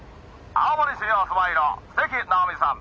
青森市にお住まいの関直美さん。